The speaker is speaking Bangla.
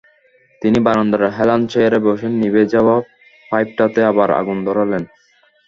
তিনি বারান্দার হেলান চেয়ারে বসে নিভে যাওয়া পাইপটাতে আবার আগুন ধরালেন।